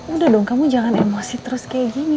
udah dong kamu jangan emosi terus kayak gini